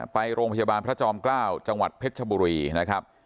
ไปโรงพยาบาลพระจอมเกล้าจังหวัดเพชรชบุรีนะครับ